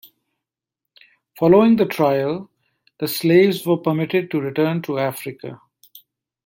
Following the trial, the slaves were permitted to return to Africa.